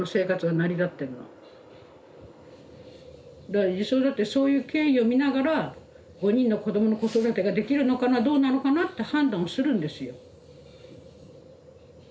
だから児相だってそういう経緯を見ながら５人の子どもの子育てができるのかなどうなのかなって判断をするんですよ。